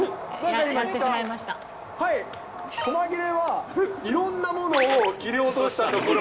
はい、こま切れはいろんなものを切り落としたところ。